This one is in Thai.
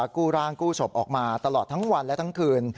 กู้ร่างกู้ศพออกมาตลอดทั้งวันและทั้งคืน